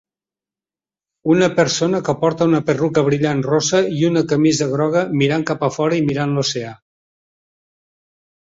Una persona que porta una perruca brillant Rosa i una camisa groga mirant cap a fora i mirant l'oceà